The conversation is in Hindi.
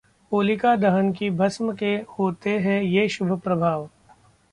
होलिका दहन की भस्म के होते हैं ये शुभ प्रभाव!